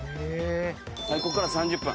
こっから３０分。